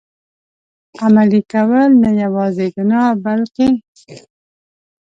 عملي کول، نه یوازي ګناه بلکه.